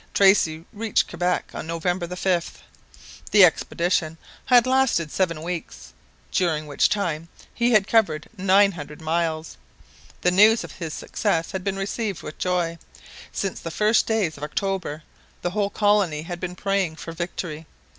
Tracy reached Quebec on November 5. The expedition had lasted seven weeks, during which time he had covered nine hundred miles. The news of his success had been received with joy. Since the first days of October the whole colony had been praying for victory.